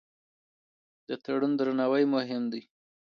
د تړون درناوی مهم دی.